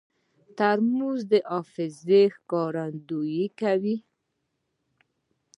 ترموز د حافظې ښکارندویي کوي.